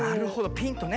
ピンとね。